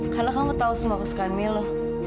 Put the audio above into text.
karena kamu tau semua kesukaan milo